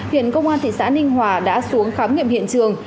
hiện công an thị xã ninh hòa đã xuống khám nghiệm hiện trường